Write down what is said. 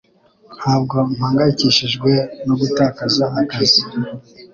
Ntabwo mpangayikishijwe no gutakaza akazi